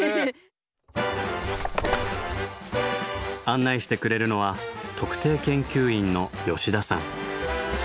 案内してくれるのは特定研究員の吉田さん。